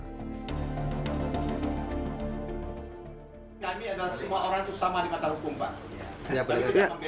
kami adalah semua orang itu sama di mata hukum pak